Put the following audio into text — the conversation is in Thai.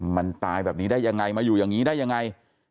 มันตายแบบนี้ได้ยังไงมาอยู่อย่างนี้ได้ยังไง